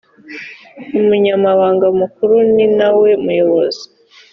umunyamabanga mukuru ninawe muyobozi .